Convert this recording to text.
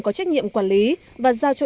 có trách nhiệm quản lý và giao cho